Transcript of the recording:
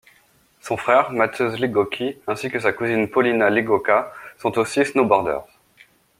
Son frère Mateusz Ligocki ainsi que sa cousine Paulina Ligocka sont aussi snowboardeurs.